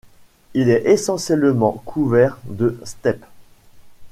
Il est essentiellement couvert de steppe.